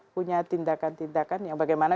punya tindakan tindakan yang bagaimana